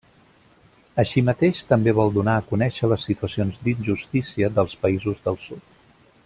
Així mateix, també vol donar a conèixer les situacions d'injustícia dels països del Sud.